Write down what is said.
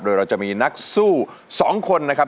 โดยเราจะมีนักสู้๒คนนะครับ